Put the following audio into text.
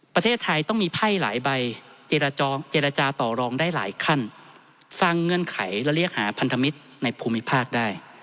ประเทศไทยต้องมีไพ่หลายใบเจรจาต่อรองได้หลายขั้นสร้างเงื่อนไขและเรียกหาพันธมิตรในภูมิภาคได้